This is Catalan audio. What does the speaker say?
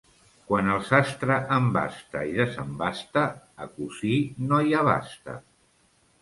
Quan el sastre embasta i desembasta, a cosir no hi abasta.